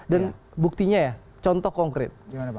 dan buktinya ya contoh konkret